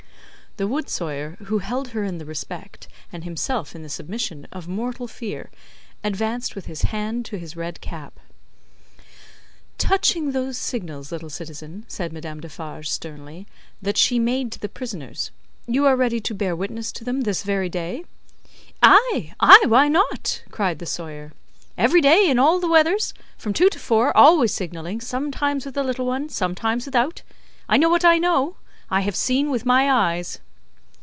The wood sawyer, who held her in the respect, and himself in the submission, of mortal fear, advanced with his hand to his red cap. "Touching those signals, little citizen," said Madame Defarge, sternly, "that she made to the prisoners; you are ready to bear witness to them this very day?" "Ay, ay, why not!" cried the sawyer. "Every day, in all weathers, from two to four, always signalling, sometimes with the little one, sometimes without. I know what I know. I have seen with my eyes."